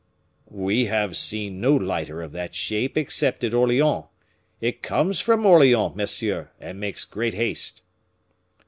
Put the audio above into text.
"We have seen no lighter of that shape, except at Orleans. It comes from Orleans, monsieur, and makes great haste."